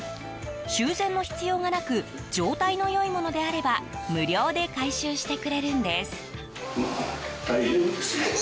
修繕の必要がなく状態の良いものであれば無料で回収してくれるんです。